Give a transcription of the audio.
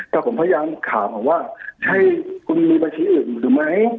แต่ผมพยายามถามผมว่าให้คุณมีบัญชีอื่นหรือไม่